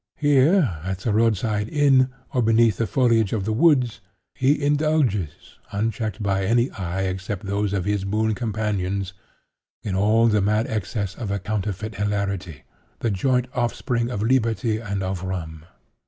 Here, at the road side inn, or beneath the foliage of the woods, he indulges, unchecked by any eye except those of his boon companions, in all the mad excess of a counterfeit hilarity—the joint offspring of liberty and of rum.